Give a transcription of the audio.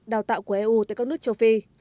đào tạo của eu tại các nước châu phi